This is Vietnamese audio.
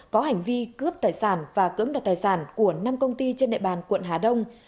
có hành vi cướp tài sản và cưỡng đoạt tài sản của năm công ty trên địa bàn quận hà đông